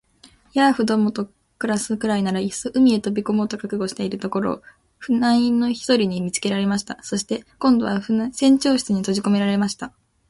ヤーフどもと暮すくらいなら、いっそ海へ飛び込もうと覚悟しているところを、船員の一人に見つけられました。そして、今度は船長室にとじこめられました。